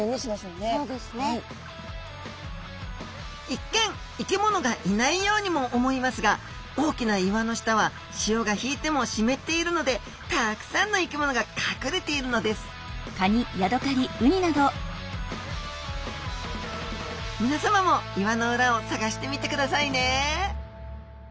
一見生き物がいないようにも思いますが大きな岩の下は潮が引いても湿っているのでたくさんの生き物が隠れているのですみなさまも岩の裏を探してみてくださいね